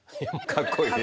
かっこいい。